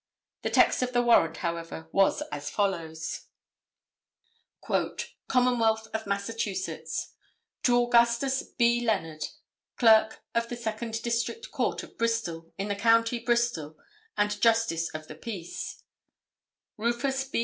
The text of the warrant however was as follows: "Commonwealth of Massachusetts, To Augustus B. Leonard, Clerk of the Second District Court of Bristol, in the county Bristol, and Justice of the Peace: Rufus B.